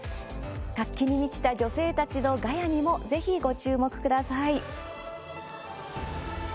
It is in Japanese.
活気に満ちた女性たちのガヤにも、ぜひご注目ください。